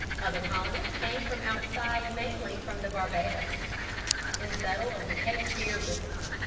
Other colonists came from outside mainly from the Barbadoes and settled on the Cape Fear River.